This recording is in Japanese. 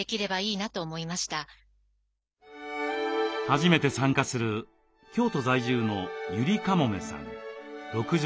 初めて参加する京都在住のゆりかもめさん６４歳独身です。